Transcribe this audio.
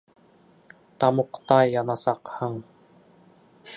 Тамуҡта янасаҡһың.